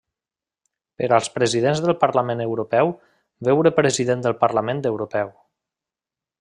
Per als presidents del Parlament Europeu, veure President del Parlament Europeu.